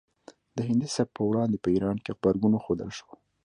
د هندي سبک په وړاندې په ایران کې غبرګون وښودل شو